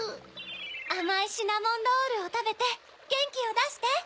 あまいシナモンロールをたべてゲンキをだして！